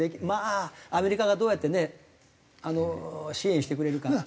まあアメリカがどうやってね支援してくれるか。